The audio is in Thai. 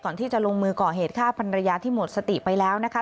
ก่อนที่จะลงมือก่อเหตุฆ่าพันรยาที่หมดสติไปแล้วนะคะ